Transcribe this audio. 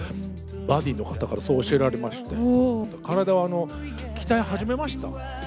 バディの方からそう教えられまして、体を鍛え始めました。